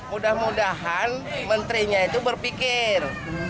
mudah mudahan menterinya itu berpikir